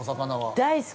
◆大好き。